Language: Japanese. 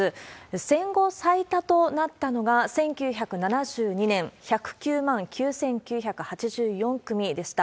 戦後最多となったのが、１９７２年、１０９万９９８４組でした。